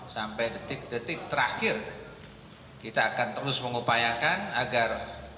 sampai detik detik terakhir kita akan terus mengupayakan agar